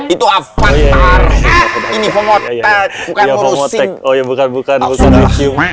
itu enfang teh bukan positif bukan bukan bukan alsisg gali banget lady semua om podok